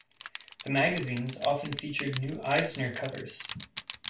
The magazines often featured new Eisner covers.